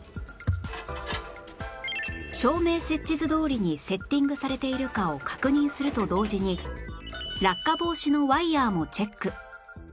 照明設置図どおりにセッティングされているかを確認すると同時に落下防止のワイヤーもチェック